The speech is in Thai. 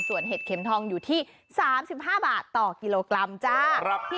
ส่วนเห็ดเข็มทองอยู่ที่๓๕บาทต่อกิโลกรัมจ้า